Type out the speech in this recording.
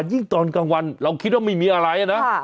ยิ่งตอนกลางวันเราคิดว่าไม่มีอะไรนะ